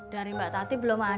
dari mbak tati belum ada